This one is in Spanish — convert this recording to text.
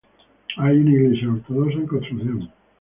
Hay una iglesia ortodoxa en construcción.